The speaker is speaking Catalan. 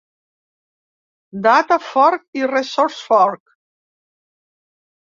Data fork’ i ‘resource fork’